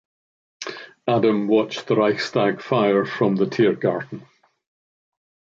Adam watched the Reichstag fire from the Tiergarten.